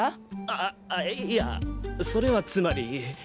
あいやそれはつまり。